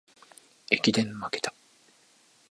駅伝まけた